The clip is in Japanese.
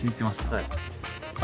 はい。